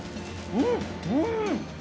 うん！